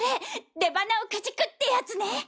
出鼻をくじくってやつね！